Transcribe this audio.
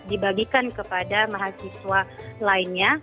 dibagikan kepada mahasiswa lainnya